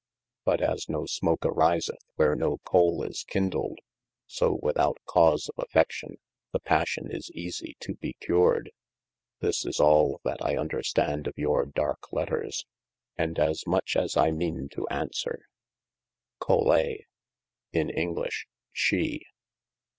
But as no smoke ariseth, where no cole is kindled, so without cause of affection the passion is easie to be cured. This is all that I understand of your darke letters: and as much as I meane to answere. Colei: in english: SHE.